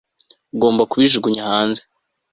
Ugomba kubijugunya hanze